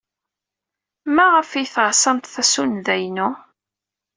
Maɣef ay teɛṣamt tasunḍa-inu?